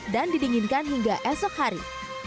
dan didinginkan hingga esok hari